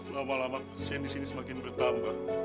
lama lama kesian disini semakin bertambah